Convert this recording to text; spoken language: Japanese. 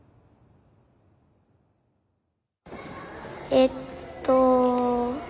えっと。